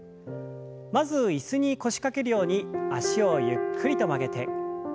まず椅子に腰掛けるように脚をゆっくりと曲げて。